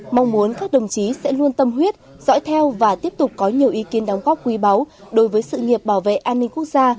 mong muốn các đồng chí sẽ luôn tâm huyết dõi theo và tiếp tục có nhiều ý kiến đóng góp quý báu đối với sự nghiệp bảo vệ an ninh quốc gia